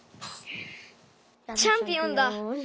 チャンピオンだ。